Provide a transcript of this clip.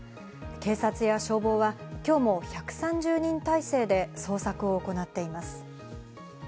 警察や消防は今日も１３０人態勢で捜索を行っています。